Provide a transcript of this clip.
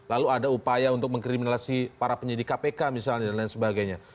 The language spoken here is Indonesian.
lalu ada upaya untuk mengkriminasi para penyidik kpk misalnya dan lain sebagainya